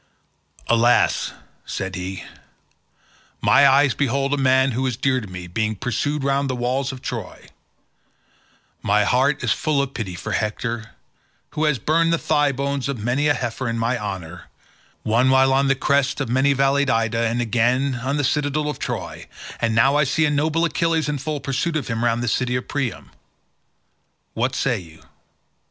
"Alas," said he, "my eyes behold a man who is dear to me being pursued round the walls of Troy; my heart is full of pity for Hector, who has burned the thigh bones of many a heifer in my honour, one while on the crests of many valleyed Ida, and again on the citadel of Troy; and now I see noble Achilles in full pursuit of him round the city of Priam. What say you?